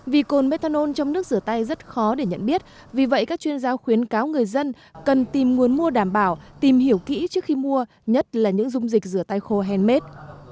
vì cồn methanol trong nước rửa tay rất khó để nhận biết vì vậy các chuyên gia khuyến cáo người dân cần tìm nguồn mua đảm bảo tìm hiểu kỹ trước khi mua nhất là những dung dịch rửa tay khô hèn mết